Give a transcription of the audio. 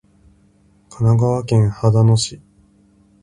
神奈川県秦野市